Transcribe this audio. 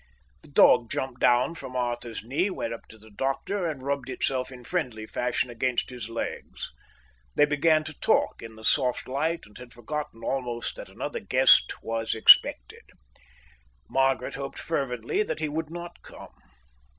The dog jumped down from Arthur's knee, went up to the doctor, and rubbed itself in friendly fashion against his legs. They began to talk in the soft light and had forgotten almost that another guest was expected. Margaret hoped fervently that he would not come.